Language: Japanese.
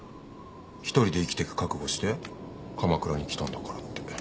一人で生きてく覚悟して鎌倉に来たんだからって。